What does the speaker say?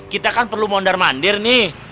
kita kan perlu mondar mandir nih